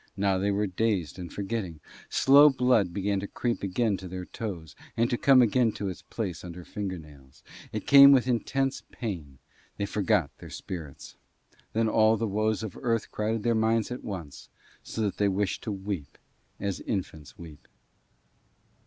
Now they were dazed and forgetting: slow blood began to creep again to their toes and to come again to its place under fingernails: it came with intense pain: they forgot their spirits. Then all the woes of Earth crowded their minds at once, so that they wished to weep, as infants weep.